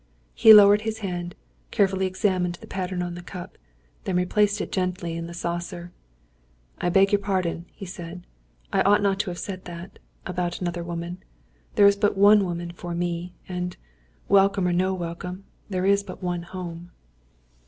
He lowered his hand, carefully examined the pattern on the cup, then replaced it gently in the saucer. "I beg your pardon," he said. "I ought not to have said that about another woman. There is but one woman for me; and, welcome or no welcome, there is but one home."